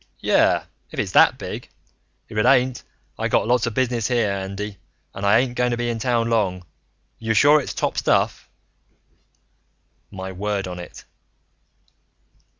"Yeah, if it's that big. If it ain't, I got lots of business here, Andy. And I ain't going to be in town long. You're sure it's top stuff?" "My word on it."